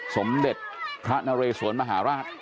สมเด็จพระนเรสวนมหาราช